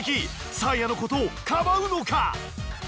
サーヤのことをかばうのか！？